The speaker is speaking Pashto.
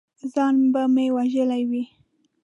ځان به مې وژلی وي!